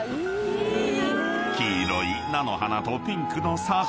［黄色い菜の花とピンクの桜］